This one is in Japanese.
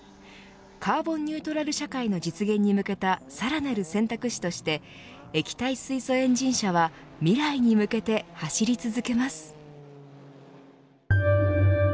カーボンニュートラル社会の実現に向けたさらなる選択肢として液体水素エンジン車は未来に向けて走り続けます。